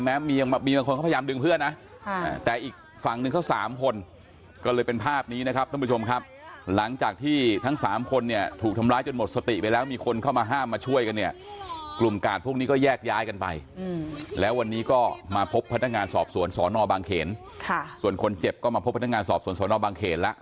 ยังมีบางคนเขาพยายามดึงเพื่อนนะแต่อีกฝั่งหนึ่งเขาสามคนก็เลยเป็นภาพนี้นะครับท่านผู้ชมครับหลังจากที่ทั้งสามคนเนี่ยถูกทำร้ายจนหมดสติไปแล้วมีคนเข้ามาห้ามมาช่วยกันเนี่ยกลุ่มกาดพวกนี้ก็แยกย้ายกันไปแล้ววันนี้ก็มาพบพนักงานสอบสวนสอนอบางเขนส่วนคนเจ็บก็มาพบพนักงานสอบสวนสอนอบางเขนแล้ว